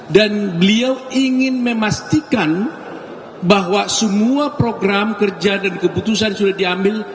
dan beliau ingin memastikan bahwa semua program kerja dan keputusan sudah diambil